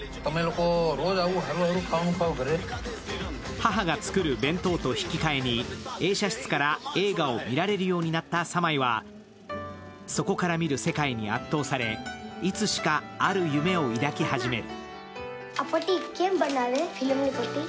母が作る弁当と引き換えに映写室から映画を見られるようになったサマイは、そこから見る世界に圧倒されいつしかある夢を抱き始める。